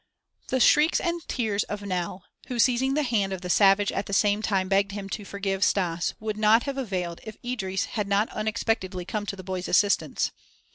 The shrieks and tears of Nell, who seizing the hand of the savage at the same time begged him "to forgive" Stas, would not have availed if Idris had not unexpectedly come to the boy's assistance.